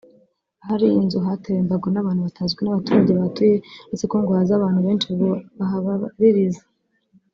Ahari iyi nzu hatewe imbago n’abantu batazwi n’abaturage bahatuye uretseko ngo haza abantu benshi bahabaririza